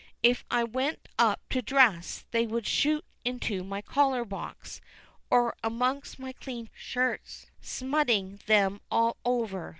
If I went up to dress, they would shoot into my collar box, or amongst my clean shirts, smutting them all over.